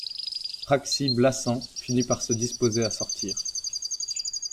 Praxi-Blassans finit par se disposer à sortir.